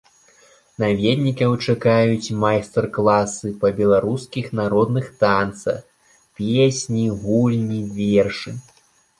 Наведнікаў чакаюць майстар-класы па беларускіх народных танцах, песні, гульні, вершы.